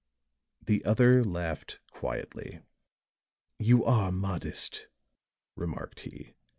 The other laughed quietly. "You are modest," remarked he.